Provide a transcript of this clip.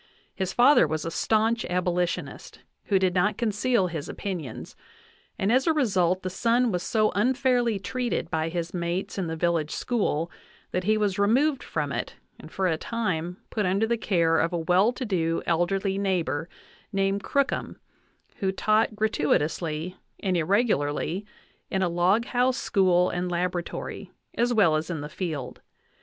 His father was a staunch abolitionist, who did not conceal his opinions, and as a result the son was so unfairly treated by his mates in the village school that he was removed from it and for a time put under the care of a well to do elderly neighbor named Crookham, who taught gratui tously and irregularly in a log house school and laboratory, as well as in the field.